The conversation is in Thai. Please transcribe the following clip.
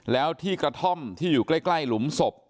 แล้วที่กระท่อมที่อยู่ใกล้หลุมศพ